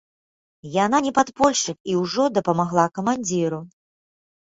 Яна не падпольшчык і ўжо дапамагла камандзіру.